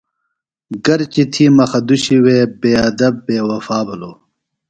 گرچہ تھی مُخہ دُشی بے ادب بے وفا بِھلوۡ۔